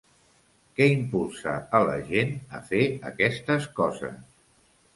Què impulsa a la gent a fer aquestes coses?